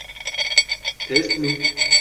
Test mi?